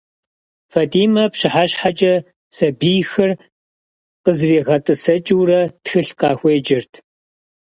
Фэтӏимэ, пщыхьэщхьэкӏэ сэбийхэр къызригъэтӏысэкӏыурэ тхылъ къахуеджэрт.